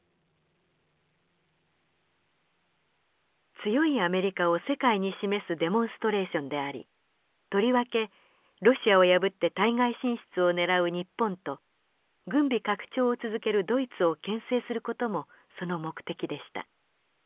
強いアメリカを世界に示すデモンストレーションでありとりわけロシアを破って対外進出をねらう日本と軍備拡張を続けるドイツをけん制する事もその目的でした。